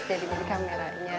jadi di kameranya